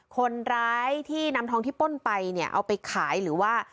คนร้ายที่นำทองที่ป้นไปเนี่ยเอาไปขายหรือว่า